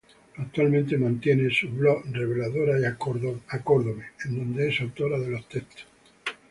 Actualmente mantiene sus blogs "Reveladora", y "Acórdome"en donde es autora de los textos.